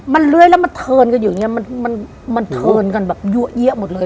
มันเลื้อยแล้วมันเทินกันอยู่อย่างนี้มันเทินกันแบบยั่วเยี้ยหมดเลย